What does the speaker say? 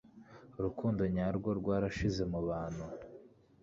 Urukundo nyarwo rwarashize, mu bantu